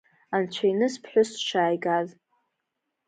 Анцәа иныс ԥҳәыс дшааигаз!